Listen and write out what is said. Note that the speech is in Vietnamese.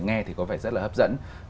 nghe thì có vẻ rất là hấp dẫn